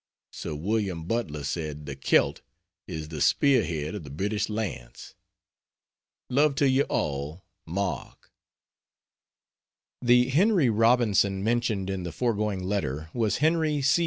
Sir Wm. Butler said "the Kelt is the spear head of the British lance." Love to you all. MARK. The Henry Robinson mentioned in the foregoing letter was Henry C.